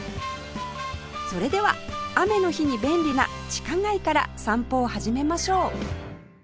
それでは雨の日に便利な地下街から散歩を始めましょう